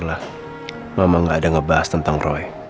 alah mama gak ada ngebahas tentang roy